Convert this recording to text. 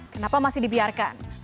kenapa masih dibiarkan